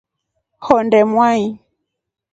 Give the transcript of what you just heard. Honde mwai.